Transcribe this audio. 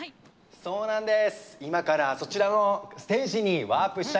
そうなんです。